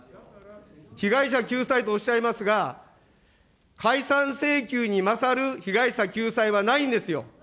被害者救済とおっしゃいますが、解散請求にまさる被害者救済はないんですよ。